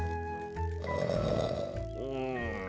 うん。